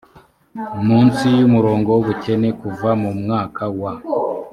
munsi y umurongo w ubukene kuva mu mwaka wa